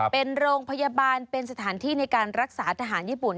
เป็นโรงพยาบาลเป็นสถานที่ในการรักษาทหารญี่ปุ่น